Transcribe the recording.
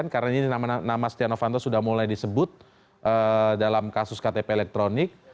karena ini nama stianovanto sudah mulai disebut dalam kasus ktp elektronik